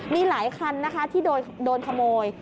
มีหลายคันที่โดนขโมย